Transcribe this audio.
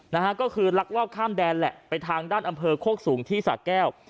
นะฮะก็คือลักลอบข้ามแดนแหละไปทางด้านอำเภอโคกสูงที่สะแก้ว